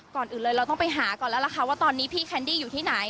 ก่อนอื่นเลยเราต้องไปหาก่อนแล้วล่ะค่ะว่าตอนนี้พี่แคนดี้อยู่ที่ไหน